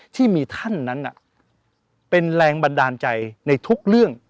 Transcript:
ที่มีท่านนั้นเป็นแรงบันดาลใจในทุกเรื่อง